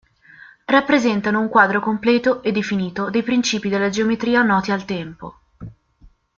Rappresentano un quadro completo e definito dei principi della geometria noti al tempo.